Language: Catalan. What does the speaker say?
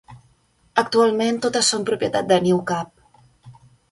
Actualment, totes són propietat de Newcap.